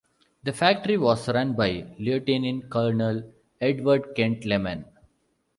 The factory was run by lieutenant colonel Edward Kent-Lemon.